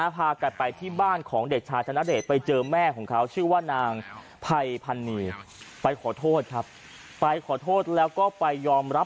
พากันไปที่บ้านของเด็กชายธนเดชน์ไปเจอแม่ของเขา